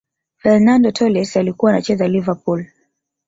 fernando torres alikuwa anacheza liverpool